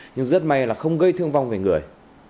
nhưng rất may là không gây thương vong về người